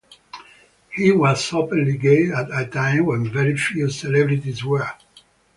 He was openly gay at a time when very few celebrities were.